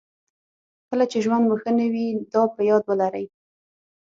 کله چې ژوند مو ښه نه وي دا په یاد ولرئ.